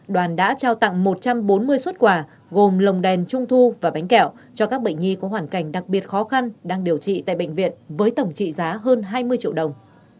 đoàn đã trao tặng một trăm bốn mươi xuất quà gồm lồng đèn trung thu và bánh kẹo cho các bệnh nhi có hoàn cảnh đặc biệt khó khăn đang điều trị tại bệnh viện với tổng trị giá hơn hai mươi triệu đồng